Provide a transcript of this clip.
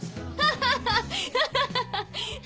ハハハハ！